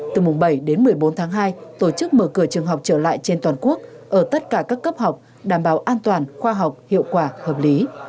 từ mùng bảy đến một mươi bốn tháng hai tổ chức mở cửa trường học trở lại trên toàn quốc ở tất cả các cấp học đảm bảo an toàn khoa học hiệu quả hợp lý